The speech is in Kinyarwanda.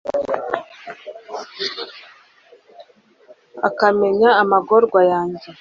ukamenya amagorwa yanjye